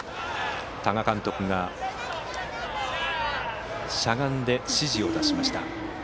多賀監督がしゃがんで指示を出しました。